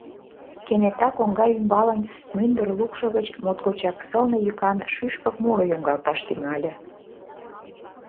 Кенета коҥга ӱмбалын мӱндыр лукшо гыч моткочак сылне йӱкан шӱшпык муро йоҥгалташ тӱҥале.